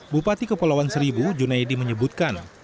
bupati kepulauan seribu junaidi menyebutkan